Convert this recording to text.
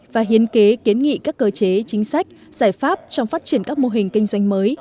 và hiến kế kiến nghị các cơ chế chính sách giải pháp trong phát triển các mô hình kinh doanh mới